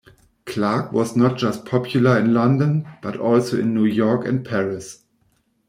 Clark was not just popular in London, but also in New York and Paris.